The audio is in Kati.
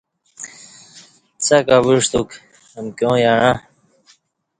څݣ اوعستوک امکیاں یعݩہ